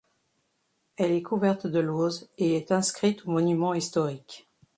Elle est couverte de lauses et est inscrite aux monuments historiques.